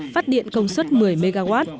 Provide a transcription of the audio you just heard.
phát điện công suất một mươi mw